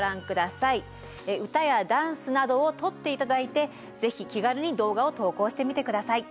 歌やダンスなどを撮って頂いてぜひ気軽に動画を投稿してみて下さい。